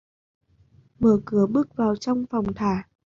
Mở cửa bước vào trong phòng thả